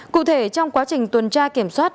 cụ thể trong quá trình tuần tra kiểm soát